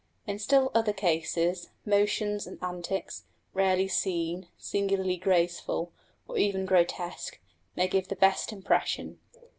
In still other cases, motions and antics, rarely seen, singularly graceful, or even grotesque, may give the best impression.